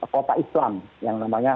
kota islam yang namanya